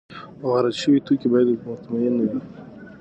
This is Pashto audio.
وارد شوي توکي باید مطمین وي.